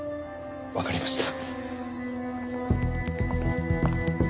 わかりました。